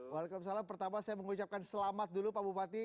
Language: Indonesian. waalaikumsalam pertama saya mengucapkan selamat dulu pak bupati